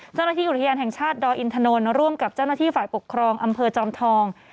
เจ้าหน้าที่อุทยานแห่งชาติดอยอินทนนท์ร่วมกับเจ้าหน้าที่ฝ่ายปกครองอำเภอจอมทอง